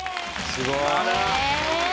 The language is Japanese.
すごい。え！